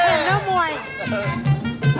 โอ๊ยโอ๊ยโอ๊ยโอ๊ย